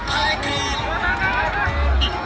มาแล้วครับพี่น้อง